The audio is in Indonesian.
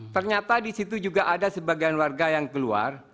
ternyata di situ juga ada sebagian warga yang keluar